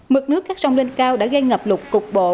mực nước các sông lên cao đã gây ngập lụt cục bộ